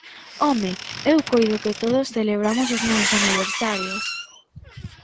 ¡Home, eu coido que todos celebramos os nosos aniversarios!